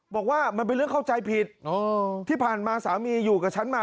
บอกว่ามันเป็นเรื่องเข้าใจผิดที่ผ่านมาสามีอยู่กับฉันมา